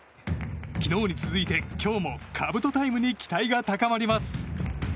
昨日に続いて今日もかぶとタイムに期待が高まります。